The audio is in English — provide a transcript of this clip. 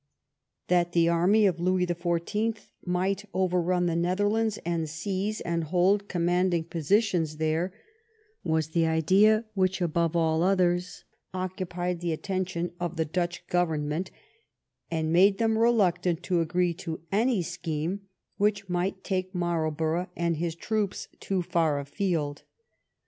That the army of Louis the Fourteenth might overrun the Netherlands, and seize and hold commanding positions there, was the idea which, above all others, occupied the attention of the Dutch government and made them reluctant to agree to any scheme which might take Marlborough and his troops too far afield.